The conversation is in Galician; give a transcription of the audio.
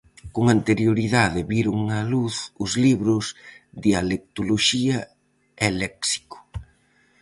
Con anterioridade viron a luz os libros "Dialectoloxía e léxico".